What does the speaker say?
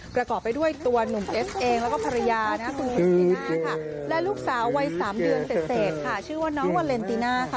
กระกอบไปด้วยตัวหนุ่มเอสเองแล้วก็ภรรยาตุงพิสีนาและลูกสาววัย๓เดือนเศรษฐ์ชื่อว่าน้องวาเลนติน่า